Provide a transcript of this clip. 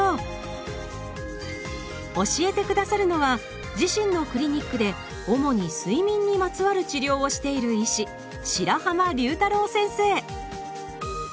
教えて下さるのは自身のクリニックで主に睡眠にまつわる治療をしている医師先生